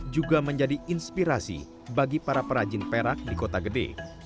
juga menjadi inspirasi bagi para perajin perak di kota gede